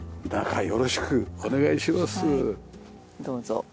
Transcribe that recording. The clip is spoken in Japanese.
どうぞ。